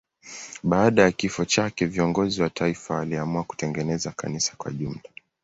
Baada ya kifo chake viongozi wa taifa waliamua kutengeneza kanisa kwa jumla.